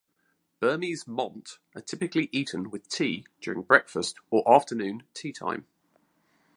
Burmese "mont" are typically eaten with tea during breakfast or afternoon tea time.